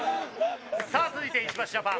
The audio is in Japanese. さあ続いて石橋ジャパン。